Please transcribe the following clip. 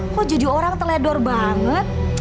kok jadi orang teledor banget